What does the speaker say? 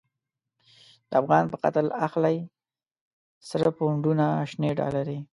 د افغان په قتل اخلی، سره پو نډونه شنی ډالری